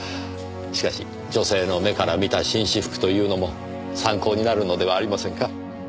しかし女性の目から見た紳士服というのも参考になるのではありませんか？